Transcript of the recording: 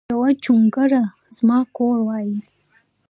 یو جونګړه ځما کور وای